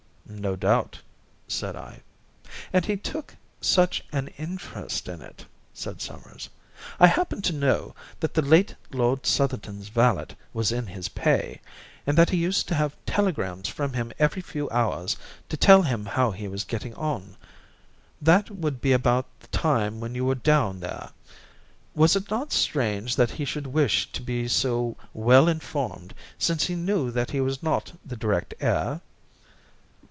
"No doubt," said I. "And he took such an interest in it," said Summers. "I happen to know that the late Lord Southerton's valet was in his pay, and that he used to have telegrams from him every few hours to tell him how he was getting on. That would be about the time when you were down there. Was it not strange that he should wish to be so well informed, since he knew that he was not the direct heir?"